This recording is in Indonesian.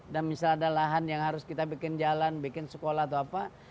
dan misalnya ada lahan yang harus kita bikin jalan bikin sekolah atau apa